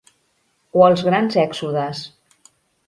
O els grans èxodes.